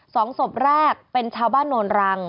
สองศพแรกเป็นชาวบ้านโนนรัง